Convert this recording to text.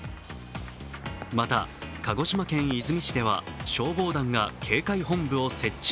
また鹿児島県出水市では消防団が警戒本部を設置。